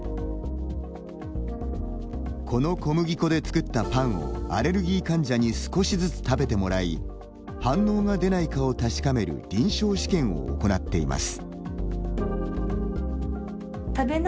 この小麦粉でつくったパンをアレルギー患者に少しずつ食べてもらい反応が出ないかを確かめる臨床試験を行っています。